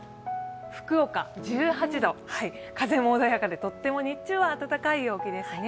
福岡１８度、風も穏やかで日中は穏やかな陽気ですね。